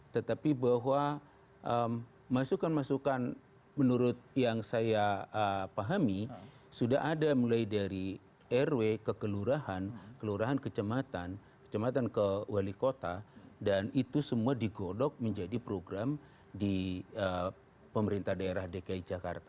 tetapi bahwa masukan masukan menurut yang saya pahami sudah ada mulai dari rw ke kelurahan kelurahan kecematan kecematan ke wali kota dan itu semua digodok menjadi program di pemerintah daerah dki jakarta